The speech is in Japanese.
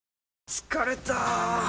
疲れた！